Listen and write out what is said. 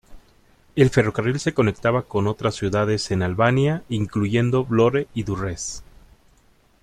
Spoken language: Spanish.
El ferrocarril se conectaba con otras ciudades en Albania, incluyendo Vlorë y Durrës.